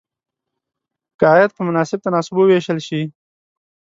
که عاید په مناسب تناسب وویشل شي.